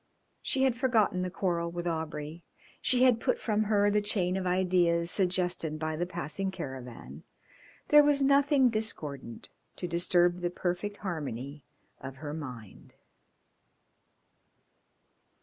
She had forgotten the quarrel with Aubrey. She had put from her the chain of ideas suggested by the passing caravan. There was nothing discordant to disturb the perfect harmony of her mind.